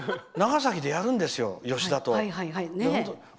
長崎でやるんですよ、吉田と。